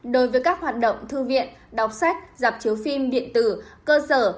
đối với các hoạt động thư viện đọc sách giảm chiếu phim điện tử cơ sở